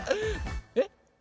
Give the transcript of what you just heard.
えっ？